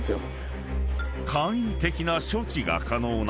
［簡易的な処置が可能な］